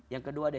yang kedua ada